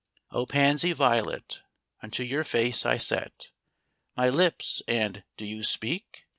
II O pansy violet, Unto your face I set My lips, and do you speak?